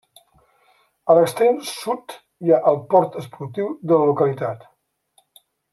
A l'extrem sud hi ha el port esportiu de la localitat.